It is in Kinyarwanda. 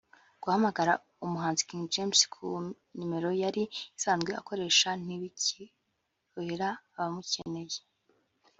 Guhamagara umuhanzi King James kuri nimero yari asanzwe akoresha ntibicyorohera abamukeneye